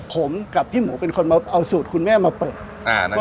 ผมกับพี่หมูเป็นคนมาเอาสูตรคุณแม่มาเปิด